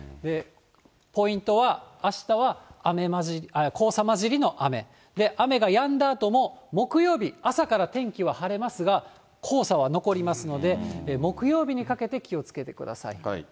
ポイントはあしたは黄砂交じりの雨、雨がやんだあとも木曜日、朝から天気は晴れますが、黄砂は残りますので、木曜日にかけて気をつけてください。